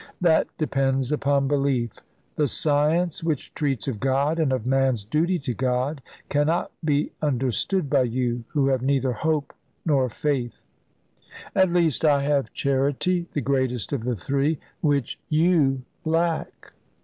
"That depends upon belief. The science which treats of God, and of man's duty to God, cannot be understood by you, who have neither hope nor faith." "At least I have charity, the greatest of the three, which you lack."